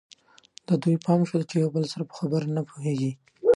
د دوی پام شول چې له یو بل سره په خبرو نه پوهېږي.